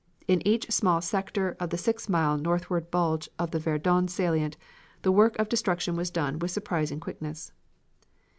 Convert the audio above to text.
In each small sector of the six mile northward bulge of the Verdun salient the work of destruction was done with surprising quickness.